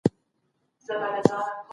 که ونې کينول سي، نو وطن شين کيږي.